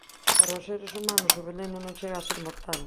Para os seres humanos o veleno non chega a ser mortal.